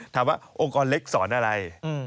ถามว่าองค์กรเล็กสอนอะไร